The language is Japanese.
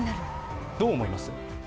どう思います？